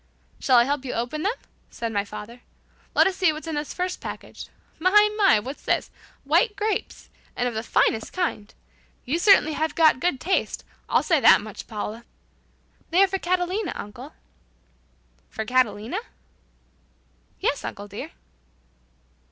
"Shall I help you open them?" said my father. "Let us see what's in this first package. My, my, what's this? White grapes! And of the finest kind! You certainly have got good taste. I'll say that much, Paula!" "They are for Catalina, uncle." "For Catalina?" "Yes, uncle dear."